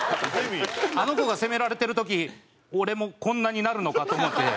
あの子が責められてる時俺もこんなになるのかと思って。